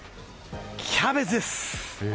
キャベツです。